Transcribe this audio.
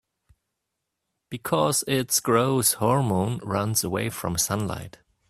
Because its growth hormone runs away from sunlight.